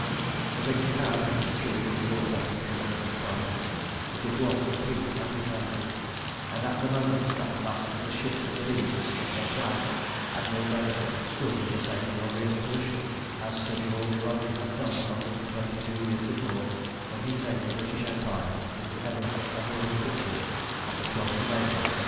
The victory had, it is true, been bought at a tremendous price, but it was complete and decisive, and at the moment that the last of the ships of the League struck her flag, Admiral Beresford stood in the same glorious position as Sir George Rodney had done a hundred and twenty two years before, when he saved the British Empire in the ever memorable victory of the 12th of April 1782.